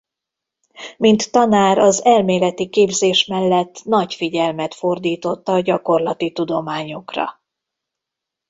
Mint tanár az elméleti képzés mellett nagy figyelmet fordított a gyakorlati tudományokra.